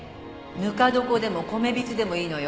「ぬか床でも米びつでもいいのよ」